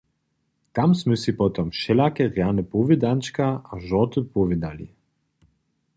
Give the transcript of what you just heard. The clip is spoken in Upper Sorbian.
Tam smy sej potom wšelake rjane powědančka a žorty powědali.